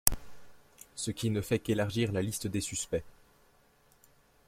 Ce qui ne fait qu'élargir la liste des suspects.